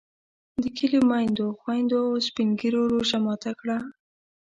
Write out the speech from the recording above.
د کلي میندو، خویندو او سپین ږیرو روژه ماته کړه.